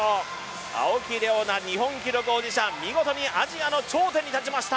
青木玲緒樹、日本記録保持者見事にアジアの頂点に立ちました！